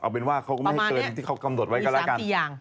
เอาเป็นว่าเขาก็ไม่ให้เกินอย่างที่เขากำหนดไว้ก็แล้วกันประมาณนี้มี๓๔อย่าง